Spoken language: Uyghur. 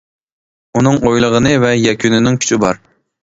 ئۇنىڭ ئويلىغىنى ۋە يەكۈنىنىڭ كۈچى بار.